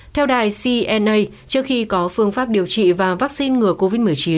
theo đài cna trước khi có phương pháp điều trị và vaccine ngừa covid một mươi chín